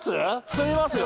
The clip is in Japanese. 進みますよ。